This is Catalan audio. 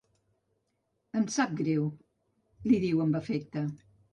Em sap greu —li diu amb afecte—.